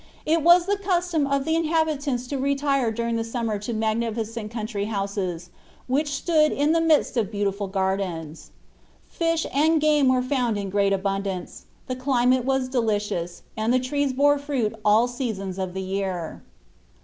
It was the custom of the inhabitants to retire during the summer to magnificent country houses, which stood in the midst of beautiful gardens. Fish and game were found in great abundance; the climate was delicious, and the trees bore fruit at all seasons of the year."